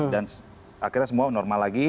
dan akhirnya semua normal lagi